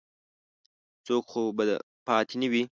څوک خو به پاتې نه وي.